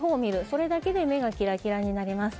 それだけで目がキラキラになります。